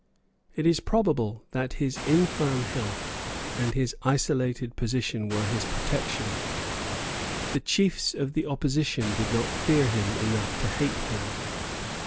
It is probable that his infirm health and his isolated position were his protection. The chiefs of the opposition did not fear him enough to hate him.